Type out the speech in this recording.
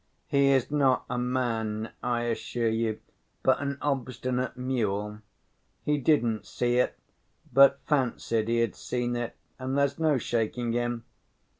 "He is not a man, I assure you, but an obstinate mule. He didn't see it, but fancied he had seen it, and there's no shaking him.